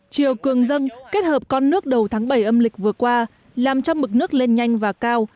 chiều cường dân kết hợp con nước đầu tháng bảy âm lịch vừa qua làm cho mực nước lên nhanh và cao